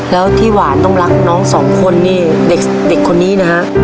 แล้วที่หวานต้องรักน้องสองคนนี่เด็กคนนี้นะฮะ